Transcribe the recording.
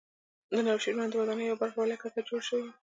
د نوشیروان د ودانۍ یوه برخه ولې کږه جوړه شوې وه.